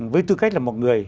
với tư cách là một người